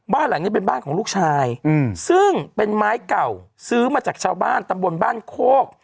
บ้านหลังนี้เป็นบ้านของลูกชายซึ่งเป็นไม้เก่าซื้อมาจากชาวบ้านตำบลบ้านโคก